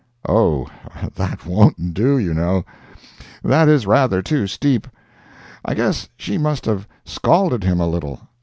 Oh, that won't do, you know. That is rather too steep. I guess she must have scalded him a little.